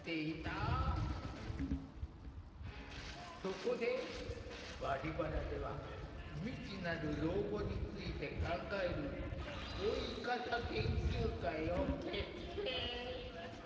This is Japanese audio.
そこで「バリバラ」では未知なる老後について考える「老い方研究会」を結成。